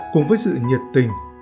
cùng với sự nhiệt tình